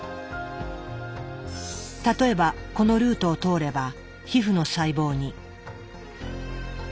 例えばこのルートを通れば皮膚の細胞に。